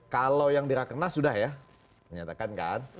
kalau yang dirakna sudah ya menyeatakan kan